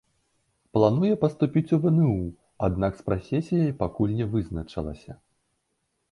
Плануе паступіць у вну, аднак з прафесіяй пакуль не вызначылася.